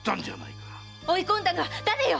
追い込んだのは誰よ